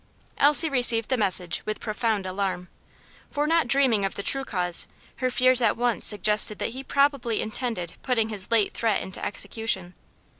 Elsie received the message with profound alarm; for not dreaming of the true cause, her fears at once suggested that he probably intended putting his late threat into execution.